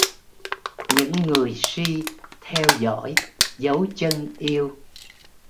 Những người si theo dõi dấu chân yêu